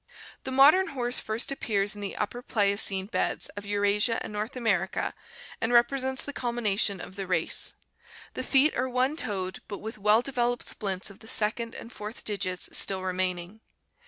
The modern horse first appears in the Upper Pliocene beds of Eurasia and North America and represents the culmination of the race. The feet are one toed, but with well developed splints of the second and fourth digits still re maining.